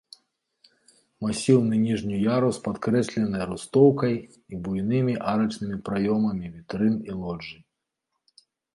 Масіўны ніжні ярус падкрэслены рустоўкай і буйнымі арачнымі праёмамі вітрын і лоджый.